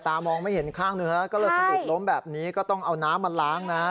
มองไม่เห็นข้างเนื้อก็เลยสะดุดล้มแบบนี้ก็ต้องเอาน้ำมาล้างนะ